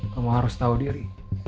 kamu harus tau diri